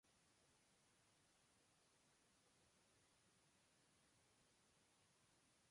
Vamos a diferenciar entre estos dos últimos tipos.